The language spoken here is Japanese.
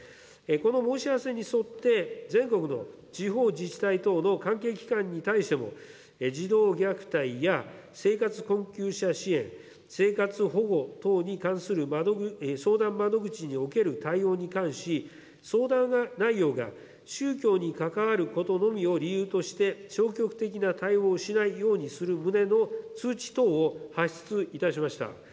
この申し合わせに沿って、全国の地方自治体等の関係機関に対しても、児童虐待や生活困窮者支援、生活保護等に関する相談窓口における対応に関し、相談内容が宗教に関わることのみを理由として、消極的な対応をしないようにする旨の通知等を発出いたしました。